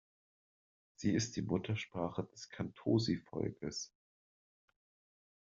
Sie ist die Muttersprache des Kantosi-Volkes.